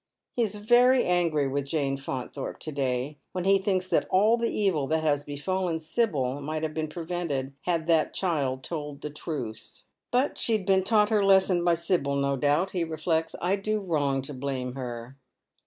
He is very angry with Jane Faunthorpe to day, when he thinks that all the evil that has befallen Sibyl might have been prevented had that child told the truth. " But she had been taught her lesson by Sibyl, no doubt," he reflects ;" I do wrong to blame her."